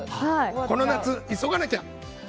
この夏、急がなきゃ！